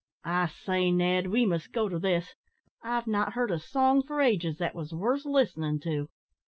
I say, Ned, we must go to this; I've not heard a song for ages that was worth listening to."